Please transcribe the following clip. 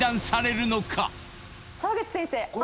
澤口先生